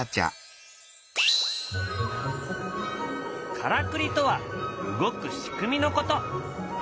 からくりとは動く仕組みのこと。